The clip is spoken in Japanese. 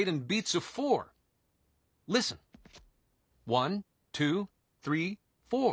ワンツースリーフォー。